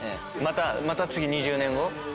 また次２０年後？